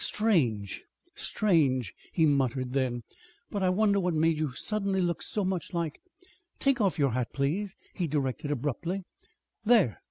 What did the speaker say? "Strange strange!" he muttered then; "but I wonder what made you suddenly look so much like Take off your hat, please," he directed abruptly. "There!"